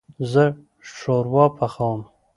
زه شوروا پخوم